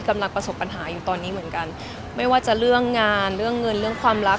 กำลังประสบปัญหาอยู่ตอนนี้เหมือนกันไม่ว่าจะเรื่องงานเรื่องเงินเรื่องความรัก